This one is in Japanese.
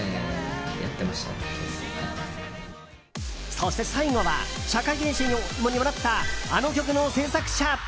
そして最後は社会現象にもなったあの曲の制作者。